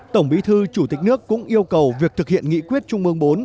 tổng bí thư chủ tịch nước cũng yêu cầu việc thực hiện nghị quyết trung ương bốn